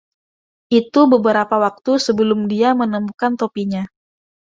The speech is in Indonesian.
Itu beberapa waktu sebelum dia menemukan topinya.